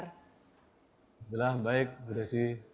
alhamdulillah baik berhasil